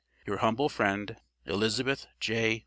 Your humble friend, ELIZABETH J.